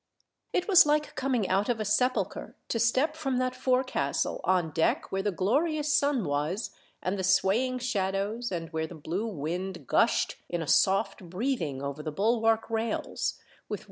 It was like coming out of a sepulchre to step from that forecastle on deck where the glorious sun was and the swaying shadows, and where the blue v/ind gushed in a soft breathing over the bulwark rails, with weight ^ Q